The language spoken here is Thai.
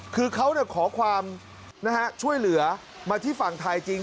คือเขาขอความช่วยเหลือมาที่ฝั่งไทยจริง